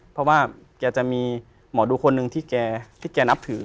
เพราะว่าแกจะมีหมอดูคนหนึ่งที่แกนับถือ